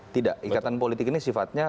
tidak ikatan politik ini sifatnya